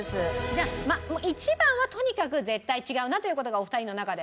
じゃあまあ１番はとにかく絶対違うなという事がお二人の中で。